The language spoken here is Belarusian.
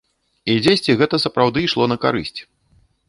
І дзесьці гэта сапраўды ішло на карысць.